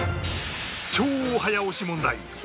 超早押し問題！